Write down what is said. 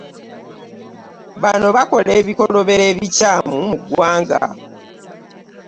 Bano bakola ebikolobero ebikyamu mu ggwanga